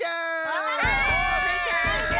はい！スイちゃん！